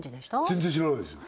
全然知らないですよ